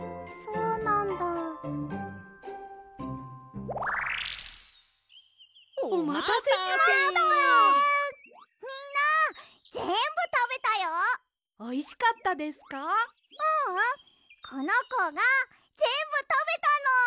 ううんこのこがぜんぶたべたの。